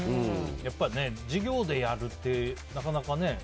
やっぱり授業でやるってなかなかね。